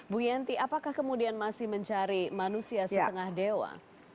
bu yanti apakah kemudian masih mencari manusia setengah dewa